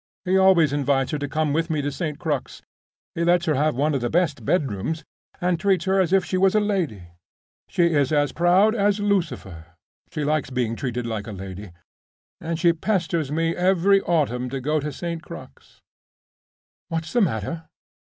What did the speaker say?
He always invites her to come with me to St. Crux. He lets her have one of the best bedrooms, and treats her as if she was a lady. She is as proud as Lucifer—she likes being treated like a lady—and she pesters me every autumn to go to St. Crux. What's the matter?